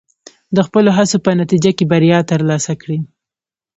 د خپلو هڅو په نتیجه کې بریا ترلاسه کړئ.